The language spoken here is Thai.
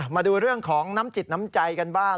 มาดูเรื่องของน้ำจิตน้ำใจกันบ้าง